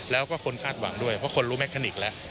แล้วก็คนคาดหวังด้วยเพราะคนรู้แคนิกส์แล้ว